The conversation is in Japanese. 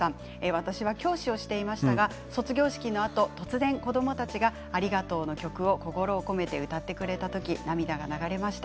私は教師をしていましたが卒業式のあと突然、子どもたちが「ありがとう」の曲を心を込めて歌ってくれて涙が流れました。